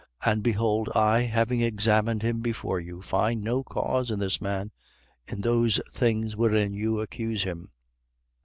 And behold I, having examined him before you, find no cause in this man, in those things wherein you accuse him.